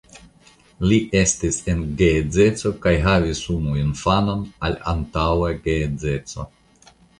Li estis en geedzeco kaj havis unu infanon al antaŭa geedzeco.